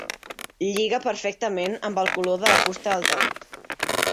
Lliga perfectament amb el color de fusta del taüt.